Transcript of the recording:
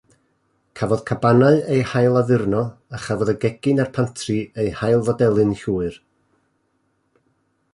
Cafodd cabanau eu hailaddurno, a chafodd y gegin a'r pantri eu hailfodelu'n llwyr.